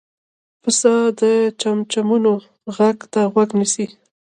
پسه د چمچمو غږ ته غوږ نیسي.